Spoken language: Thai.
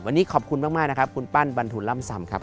วันนี้ขอบคุณมากนะครับคุณปั้นบรรทุนล่ำซำครับ